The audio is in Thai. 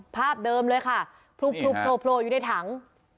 ภาพเดิมเลยค่ะพลุโผล่อยู่ในถัง